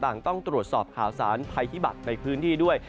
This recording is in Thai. ต้องตรวจสอบข่าวสารภัยพิบัติในพื้นที่ด้วย